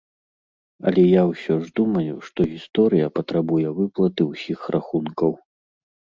Але я ўсё ж думаю, што гісторыя патрабуе выплаты ўсіх рахункаў.